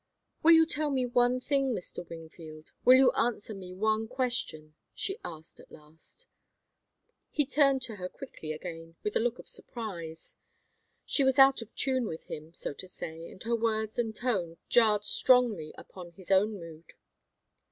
"Will you tell me one thing, Mr. Wingfield? Will you answer me one question?" she asked, at last. He turned to her quickly again, with a look of surprise. She was out of tune with him, so to say, and her words and tone jarred strongly upon his own mood.